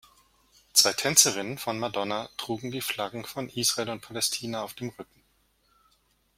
Zwei Tänzerinnen von Madonna trugen die Flaggen von Israel und Palästina auf dem Rücken.